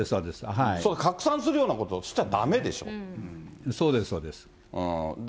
拡散するようなことしちゃだそうです、そうです。